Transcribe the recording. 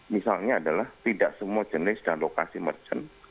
misalnya adalah tidak semua jenis dan lokasi merchant